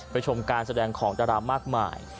ชมการแสดงของดารามากมาย